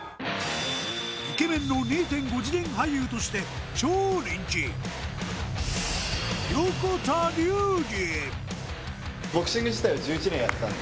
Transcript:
イケメンの２．５次元俳優として超人気、横田龍儀。